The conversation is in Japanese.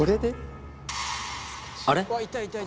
あれ？